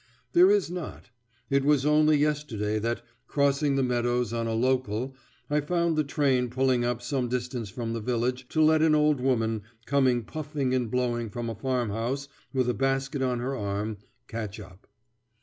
There is not. It was only yesterday that, crossing the meadows on a "local," I found the train pulling up some distance from the village to let an old woman, coming puffing and blowing from a farm house with a basket on her arm, catch up.